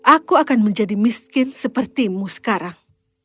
aku akan menjadi miskin sepertimu sekarang